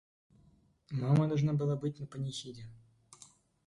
Мама должна была быть на панихиде.